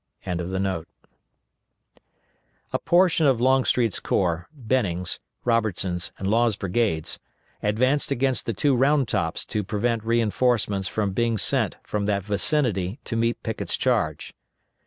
] A portion of Longstreet's corps, Benning's, Robertson's, and Law's brigades, advanced against the two Round Tops to prevent reinforcements from being sent from that vicinity to meet Pickett's charge.